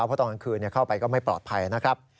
เพราะตอนกลางคืนเข้าไปก็ไม่ปลอดภัยนะครับ